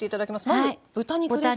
まず豚肉ですが。